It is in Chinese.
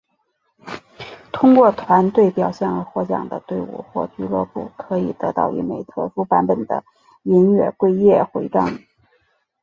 通过团队表现而获奖的队伍或俱乐部可以得到一枚特殊版本的银月桂叶徽章。